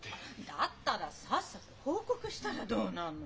だったらさっさと報告したらどうなの。